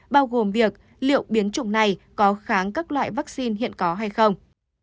bao gồm việc liệu biến chủng này có kháng các loại vaccine hiện có hay không